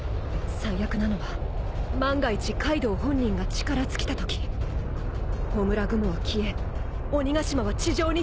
最悪なのは万が一カイドウ本人が力尽きたとき焔雲は消え鬼ヶ島は地上にたたきつけられる。